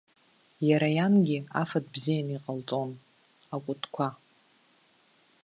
Иара иангьы афатә бзианы иҟалҵон, акәытқәа.